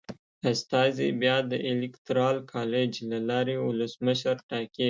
استازي بیا د الېکترال کالج له لارې ولسمشر ټاکي.